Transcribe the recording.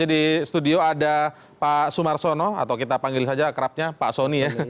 jadi di studio ada pak sumar sono atau kita panggil saja kerapnya pak sony